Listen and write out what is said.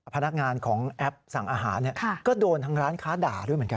พนักงานของแอปสั่งอาหารก็โดนทางร้านค้าด่าด้วยเหมือนกัน